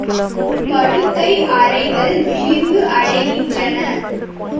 படுக்கை அறைகள் விரிவு அடைகின்றன.